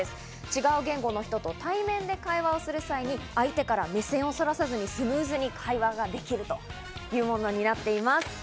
違う言語の人と対面で会話をする際に、相手から目線をそらさずにスムーズに会話ができるというものになっています。